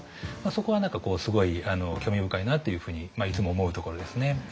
そこは何かすごい興味深いなっていうふうにいつも思うところですね。